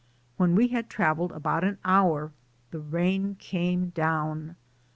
When we had traveled about an hour the rain came down.